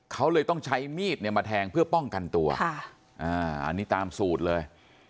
เขาเลยต้องใช้มีดเนี่ยมาแทงเพื่อป้องกันตัวอันนี้ตามสูตรเลย